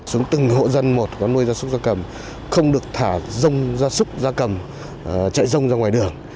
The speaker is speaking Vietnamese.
sống từng hộ dân một có nuôi ra súc ra cầm không được thả rông ra súc ra cầm chạy rông ra ngoài đường